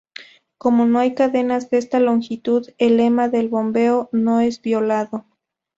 Como no hay cadenas de esta longitud el lema del bombeo no es violado.